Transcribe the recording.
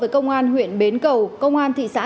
với công an huyện bến cầu công an thị xã